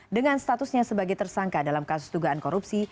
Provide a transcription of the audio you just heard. dengan statusnya sebagai tersangka dalam kasus dugaan korupsi